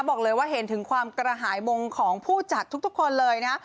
บอกเลยว่าเห็นถึงความกระหายมงของผู้จัดทุกคนเลยนะ